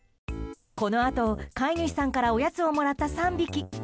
このあと、飼い主さんからおやつをもらった３匹。